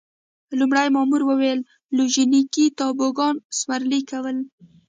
لومړي مامور وویل: لوژینګ، توبوګان سورلي کول.